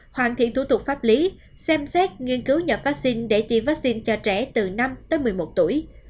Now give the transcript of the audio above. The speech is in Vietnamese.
hoàn thiện thủ tục pháp lý xem xét nghiên cứu nhập vaccine để tiêm vaccine cho trẻ từ năm tới một mươi một tuổi